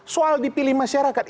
soal dipilih masyarakat